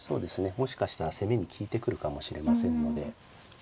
もしかしたら攻めに利いてくるかもしれませんので。